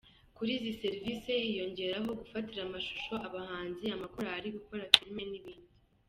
Kuri izi servisi hiyongeraho gufatira amashusho abahanzi, amakorali, gukora filime n’ibindi.